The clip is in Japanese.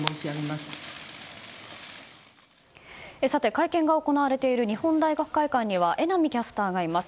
会見が行われている日本大学会館には榎並キャスターがいます。